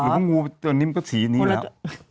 หรือพวกงูตอนนี้มันก็สีนี้แล้ว